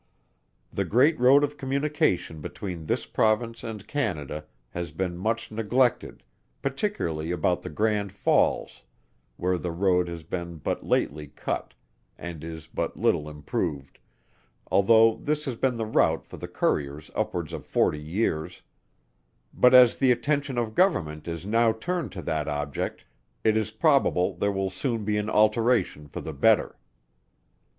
The great road of communication between this Province and Canada, has been much neglected, particularly about the Grand Falls where the road has been but lately cut and is but little improved, although this has been the route for the couriers upwards of forty years; but as the attention of Government is now turned to that object it is probable there will soon be an alteration for the better.